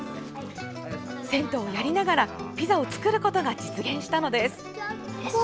銭湯をやりながらピザを作ることが実現したのです。